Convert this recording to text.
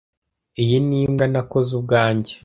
Iyi ni imbwa nakoze ubwanjye.